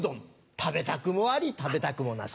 食べたくもあり食べたくもなし。